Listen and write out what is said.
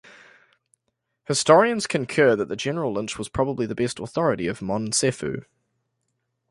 Historians concur that the general lynch was probably the best authority of monsefu.